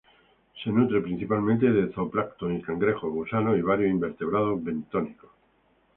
Se nutre principalmente de zooplancton, cangrejos, gusanos y varios invertebrados bentónicos.